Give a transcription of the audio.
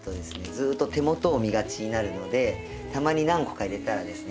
ずっと手元を見がちになるのでたまに何個か入れたらですね